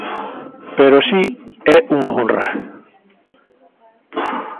Pero si, é unha honra.